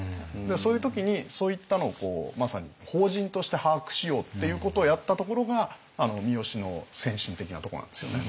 そういう時にそういったのをまさに法人として把握しようっていうことをやったところが三好の先進的なとこなんですよね。